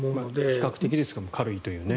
比較的ですが軽いというね。